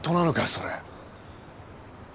それ。